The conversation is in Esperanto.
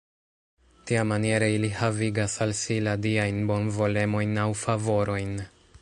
Tiamaniere ili havigas al si la diajn bonvolemojn aŭ favorojn.